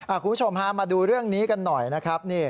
คุณผู้ชมฮะมาดูเรื่องนี้กันหน่อยนะครับ